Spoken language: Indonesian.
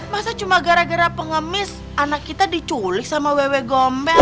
masa cuma gara gara pengemis anak kita diculik sama wewe gombel